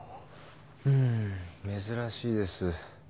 うん珍しいです。